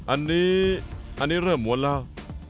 อันนี้อันนี้เริ่มหวนแล้ว